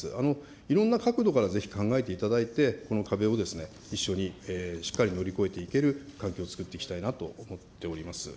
いろんな角度から、ぜひ考えていただいて、この壁を一緒にしっかり乗り越えていける環境を作っていきたいなと思っております。